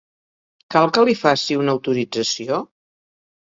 Cal que li faci una autorització?